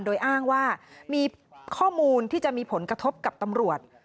โดยอ้างว่ามีข้อมูลที่จะมีผลกระทบกับตำรวจ